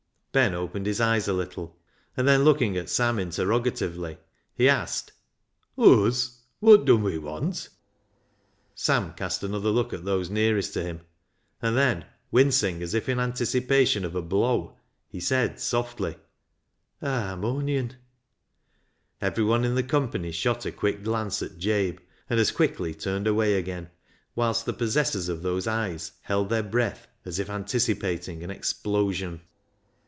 Ben opened his eyes a little, and then, looking at Sam interrogatively, he asked —" Uz ! wot dun we want ?" Sam cast another look at those nearest to him, and then, wincing as if in anticipation of a blow, he said softly —" A harmonion." Everyone in the company shot a quick glance at Jabe, and as quickly turned away again, whilst the possessors of those eyes held their breath as if anticipating an explosion.